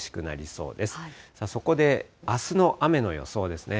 そこであすの雨の予想ですね。